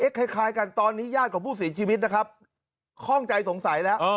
คล้ายกันตอนนี้ญาติของผู้เสียชีวิตนะครับข้องใจสงสัยแล้ว